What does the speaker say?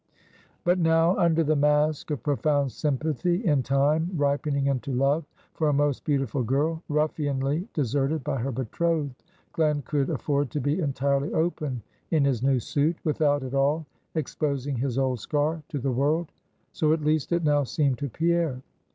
But now, under the mask of profound sympathy in time, ripening into love for a most beautiful girl, ruffianly deserted by her betrothed, Glen could afford to be entirely open in his new suit, without at all exposing his old scar to the world. So at least it now seemed to Pierre.